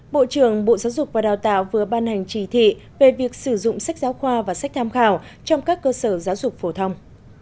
bộ trưởng bộ giáo dục và đào tạo vừa ban hành chỉ thị về việc sử dụng sách giáo khoa và sách tham khảo trong các cơ sở giáo dục phổ thông